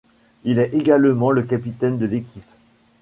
Il est également le capitaine de l'équipe.